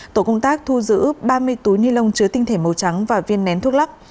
tổ công tác thu giữ ba mươi túi ni lông chứa tinh thể màu trắng và viên nén thuốc lắc